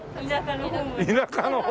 田舎の方。